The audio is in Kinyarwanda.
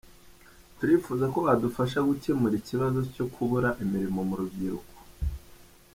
"Turifuza ko badufasha gukemura ikibazo cyo kubura imirimo mu rubyiruko.